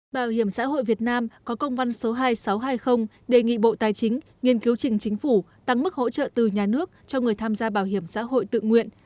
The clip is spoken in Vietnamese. bảo hiểm xã hội việt nam có công văn số hai nghìn sáu trăm hai mươi đề nghị bộ tài chính nghiên cứu trình chính phủ tăng mức hỗ trợ từ nhà nước cho người tham gia bảo hiểm xã hội tự nguyện